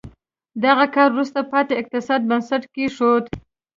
دغه کار وروسته پاتې اقتصاد بنسټ کېښود.